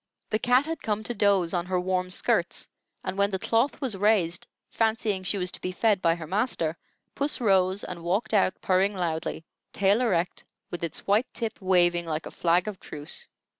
The cat had come to doze on her warm skirts, and when the cloth was raised, fancying she was to be fed by her master, puss rose and walked out purring loudly, tail erect, with its white tip waving like a flag of truce.